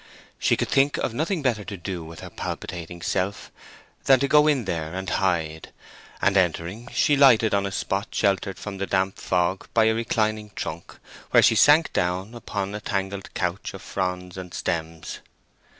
She could think of nothing better to do with her palpitating self than to go in here and hide; and entering, she lighted on a spot sheltered from the damp fog by a reclining trunk, where she sank down upon a tangled couch of fronds and stems.